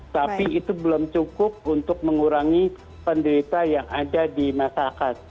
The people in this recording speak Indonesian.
tapi itu belum cukup untuk mengurangi penderita yang ada di masyarakat